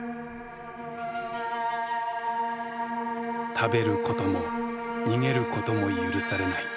食べることも逃げることも許されない。